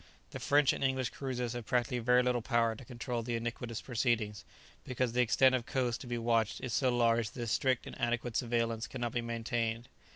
The French and English cruisers have practically very little power to control the iniquitous proceedings, because the extent of coast to be watched is so large that a strict and adequate surveillance cannot be maintained.